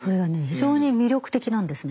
非常に魅力的なんですね。